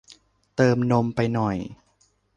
เติมนมไปหน่อย